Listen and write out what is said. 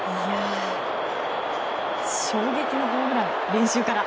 衝撃のホームラン、練習から。